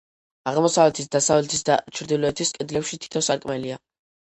აღმოსავლეთის, დასავლეთის და ჩრდილოეთის კედლებში თითო სარკმელია.